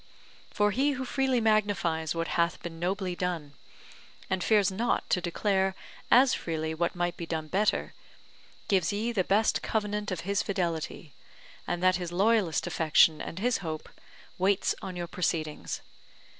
For he who freely magnifies what hath been nobly done, and fears not to declare as freely what might be done better, gives ye the best covenant of his fidelity; and that his loyalest affection and his hope waits on your proceedings.